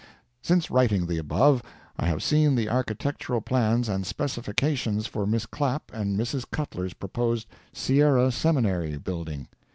Since writing the above, I have seen the architectural plans and specifications for Miss Clapp and Mrs. Cutler's proposed "Sierra Seminary" building.